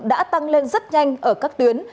đã tăng lên rất nhanh ở các tuyến